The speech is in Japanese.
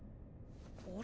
あれ？